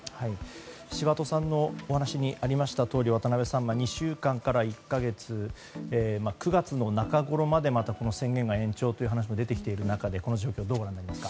柴戸さんのお話にありましたように、渡辺さん２週間から１か月９月の中頃まで宣言が延長という話が出てきている中でこの状況どうご覧になりますか？